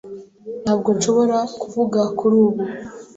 Ntabwo nshobora kuvuga kuri ubu.